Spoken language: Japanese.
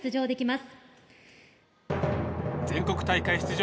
全国大会出場